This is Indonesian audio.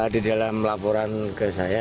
di dalam laporan ke saya